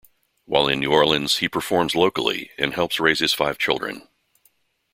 While in New Orleans he performs locally and helps raise his five children.